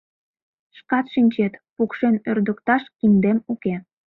Шкат шинчет: пукшен ӧрдыкташ киндем уке...